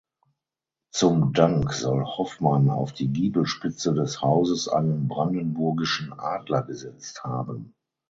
Zum Dank soll Hoffmann auf die Giebelspitze des Hauses einen Brandenburgischen Adler gesetzt haben.